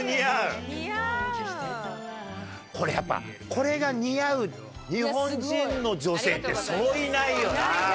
これが似合う日本人の女性ってそういないよな。